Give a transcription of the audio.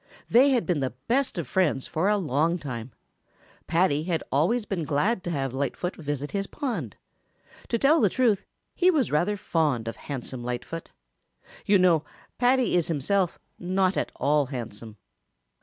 They had been the best of friends for a long time. Paddy had always been glad to have Lightfoot visit his pond. To tell the truth, he was rather fond of handsome Lightfoot. You know Paddy is himself not at all handsome.